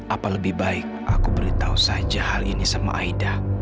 apa lebih baik aku beritahu saja hal ini sama aida